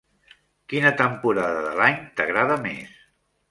Quina temporada de l'any t'agrada més?